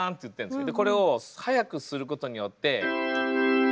これを速くすることによって。